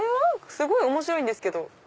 すごい面白いですけど。